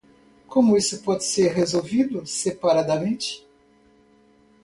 Como isso pode ser resolvido separadamente?